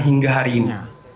hingga hari ini